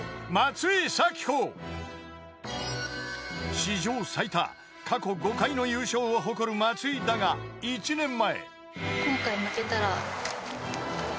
［史上最多過去５回の優勝を誇る松井だが１年前］